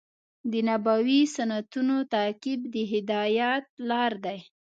د نبوي سنتونو تعقیب د هدایت لار دی.